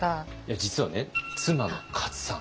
実はね妻のカツさん。